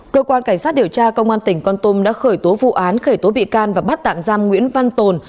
cơ quan cảnh sát điều tra công an tỉnh con tôm đã khởi tố vụ án khởi tố bị can và bắt tạm giam nguyễn văn tồn